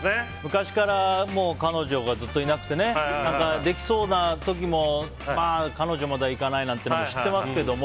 昔から彼女がずっといなくてねできそうな時も彼女まではいかないなんていうのも知っていますけども。